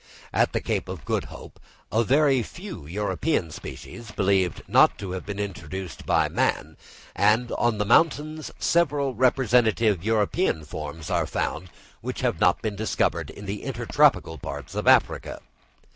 At the Cape of Good Hope a very few European species, believed not to have been introduced by man, and on the mountains several representative European forms are found which have not been discovered in the intertropical parts of Africa.